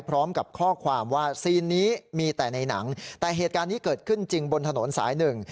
พร้อมกับข้อความว่าซีนนี้มีแต่ในหนังแต่เหตุการณ์นี้เกิดขึ้นจริงบนถนนสายหนึ่ง